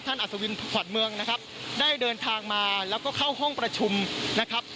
อัศวินขวัญเมืองนะครับได้เดินทางมาแล้วก็เข้าห้องประชุมนะครับ